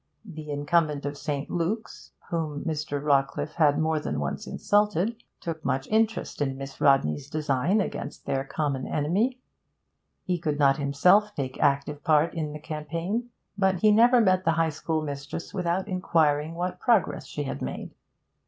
The incumbent of St. Luke's, whom Rawcliffe had more than once insulted, took much interest in Miss Rodney's design against this common enemy; he could not himself take active part in the campaign, but he never met the High School mistress without inquiring what progress she had made.